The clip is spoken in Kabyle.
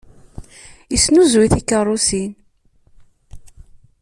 Yesnuzuy tikeṛṛusin.